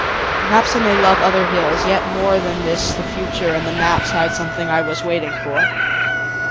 Perhaps I may love other hills yet more Than this: the future and the maps Hide something I was waiting for.